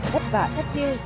thất vả thất chiêu